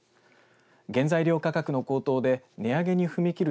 原材料価格の高騰で値上げに踏み切る